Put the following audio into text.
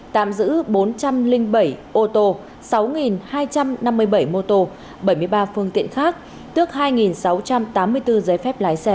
tạm giữ bốn trăm linh bảy ô tô sáu hai trăm năm mươi bảy mô tô bảy mươi ba phương tiện khác tước hai sáu trăm tám mươi bốn giấy phép lái xe